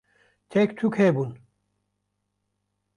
tek tuk hebûn